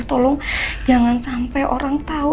tolong jangan sampai orang tahu